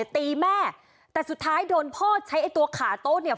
ตีแม่แต่สุดท้ายโดนพ่อใช้ไอ้ตัวขาโต๊ะเนี่ย